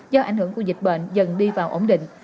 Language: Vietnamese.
do ảnh hưởng của dịch bệnh dần đi vào ổn định